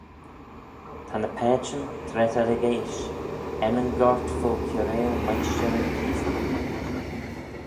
Ta ny paitçhyn, tra t'ad ec eash, er nyn goyrt fo kiarail Mainshteryn Creestee.